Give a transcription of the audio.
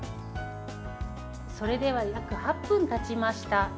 それでは約８分たちました。